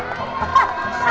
udah siap semuanya